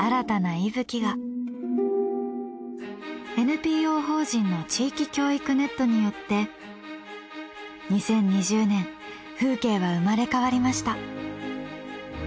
ＮＰＯ法人の地域教育ネットによって２０２０年風景は生まれ変わりました。